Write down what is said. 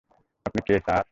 আপনি কে, স্যার?